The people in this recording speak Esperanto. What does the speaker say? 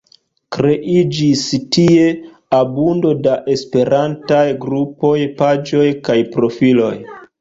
Kreiĝis tie abundo da Esperantaj grupoj, paĝoj kaj profiloj.